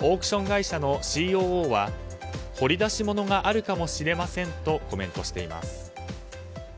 オークション会社のＣＯＯは掘り出し物があるかもしれませんとコメントしています。